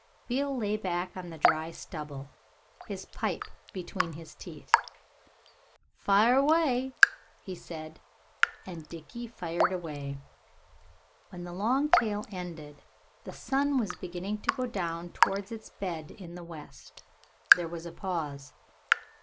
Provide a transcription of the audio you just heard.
Beale lay back on the dry stubble, his pipe between his teeth. "Fire away," he said, and Dickie fired away. When the long tale ended, the sun was beginning to go down towards its bed in the west. There was a pause.